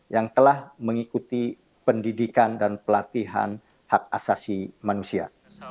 yang telah mengikuti pendidikan dan pelatihan hak asasi manusia